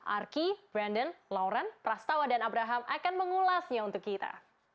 arki brandon lawren prastawa dan abraham akan mengulasnya untuk kita